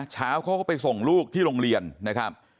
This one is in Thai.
เช้าเขาก็ไปส่งลูกที่โรงเรียนนะครับ